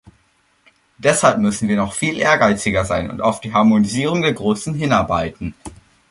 Deshalb müssen wir noch viel ehrgeiziger sein und auf die Harmonisierung der Größen hinarbeiten.